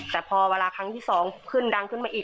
แต่พอเวลาครั้งที่๒ขึ้นดังขึ้นมาอีก